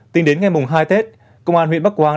tính đến ngày mùng hai tết công an huyện bắc quang